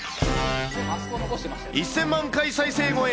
１０００万回再生超え。